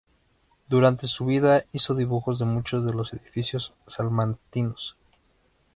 Durante su vida hizo dibujos de muchos de los edificios salmantinos.